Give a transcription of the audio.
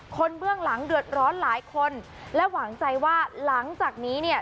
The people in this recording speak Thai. เบื้องหลังเดือดร้อนหลายคนและหวังใจว่าหลังจากนี้เนี่ย